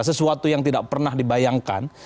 sesuatu yang tidak pernah dibayangkan